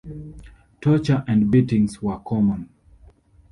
Torture and beatings were common.